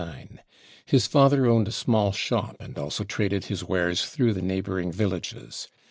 His father owned a small shop, and also traded his wares through the neighbouring villages.